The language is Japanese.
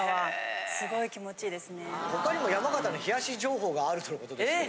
他にも山形の冷やし情報があるとのことですけど。